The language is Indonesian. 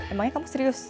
emangnya kamu serius